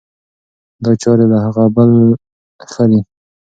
دا چای له هغه بل ښه دی.